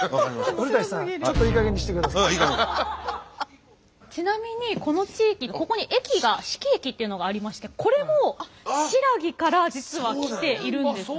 古さんちなみにこの地域ここに駅が志木駅っていうのがありましてこれも新羅から実は来ているんですね。